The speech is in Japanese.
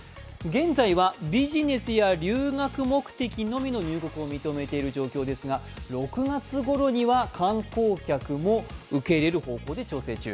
現在はビジネスや留学目的のみの入国を認めているのですが６月ごろには観光客も受け入れる方向で調整中。